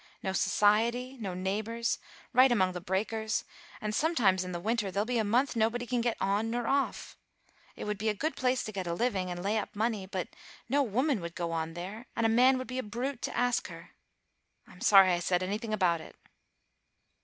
No society, no neighbors, right among the breakers; and sometimes, in the winter, there'll be a month nobody can get on nor off. It would be a good place to get a living, and lay up money; but no woman would go on there, and a man would be a brute to ask her. I'm sorry I said anything about it."